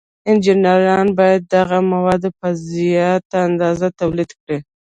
انجینران باید دغه مواد په زیاته اندازه تولید کړي.